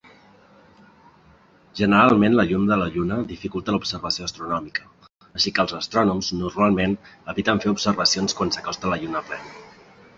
Generalment, la llum de la lluna dificulta l'observació astronòmica, així que els astrònoms normalment eviten fer observacions quan s'acosta la lluna plena.